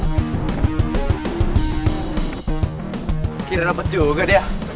akhirnya dapet juga dia